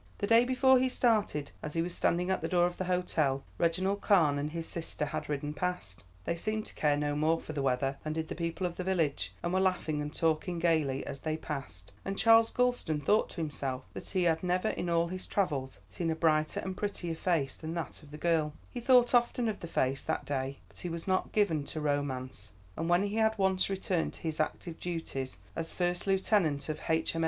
The day before he started, as he was standing at the door of the hotel, Reginald Carne and his sister had ridden past; they seemed to care no more for the weather than did the people of the village, and were laughing and talking gaily as they passed, and Charles Gulston thought to himself that he had never in all his travels seen a brighter and prettier face than that of the girl. [Illustration: "Charles Gulston thought he had never seen a prettier and brighter face than that of the girl."] He thought often of the face that day, but he was not given to romance, and when he had once returned to his active duties as first lieutenant of H.